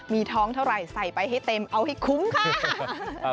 มีท้องเท่าไหร่ใส่ไปให้เต็มเอาให้คุ้มค่ะ